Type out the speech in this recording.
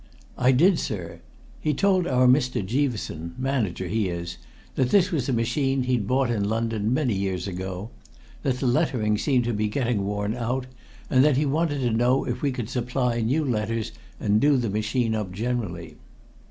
"I did, sir. He told our Mr. Jeaveson manager he is that this was a machine he'd bought in London, many years ago; that the lettering seemed to be getting worn out, and that he wanted to know if we could supply new letters and do the machine up generally."